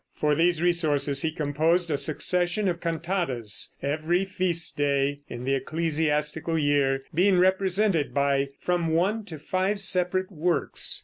For these resources he composed a succession of cantatas, every feast day in the ecclesiastical year being represented by from one to five separate works.